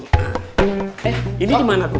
eh ini dimana kum